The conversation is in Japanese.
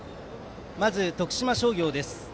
まず徳島商業です。